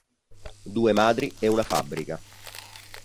Due Madri e una fabbrica.